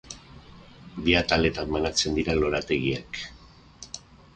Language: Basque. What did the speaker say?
Bi ataletan banatzen dira lorategiak.